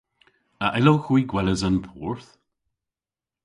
A yllowgh hwi gweles an porth?